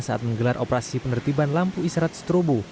saat menggelar operasi penertiban lampu isyarat strobo